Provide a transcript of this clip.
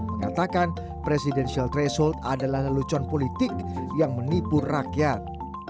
mengatakan presidensial threshold adalah lelucon politik yang menipu rakyat